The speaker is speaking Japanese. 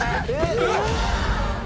えっ！